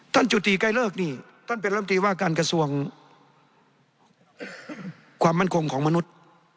จุธีใกล้เลิกนี่ท่านเป็นลำตีว่าการกระทรวงความมั่นคงของมนุษย์